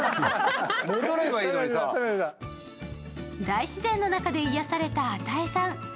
大自然の中で癒やされた與さん。